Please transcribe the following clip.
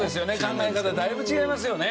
考え方だいぶ違いますよね。